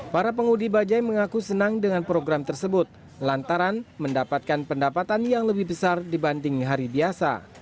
para pengudi bajai mengaku senang dengan program tersebut lantaran mendapatkan pendapatan yang lebih besar dibanding hari biasa